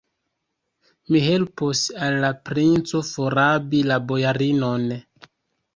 Mi helpos al la princo forrabi la bojarinon.